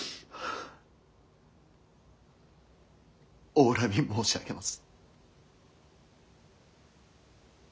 お恨み申し上げます。